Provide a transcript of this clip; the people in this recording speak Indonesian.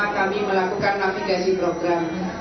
kami melakukan navigasi program